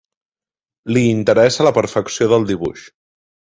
Li interessa la perfecció del dibuix.